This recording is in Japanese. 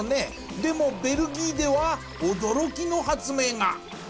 でもベルギーでは驚きの発明が。